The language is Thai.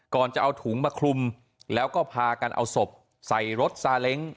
ก่อนจะเอาถุงมาคลุมแล้วก็พากันเอาศพใส่รถซาเล้ง